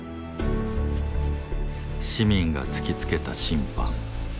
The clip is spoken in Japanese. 市民が突きつけた審判